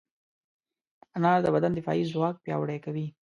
انار د بدن دفاعي ځواک پیاوړی کوي.